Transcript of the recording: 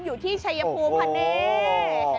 อยู่ที่เฉยภูมิภาเน๊